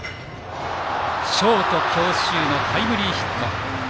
ショート強襲のタイムリーヒット。